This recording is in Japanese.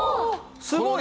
すごい。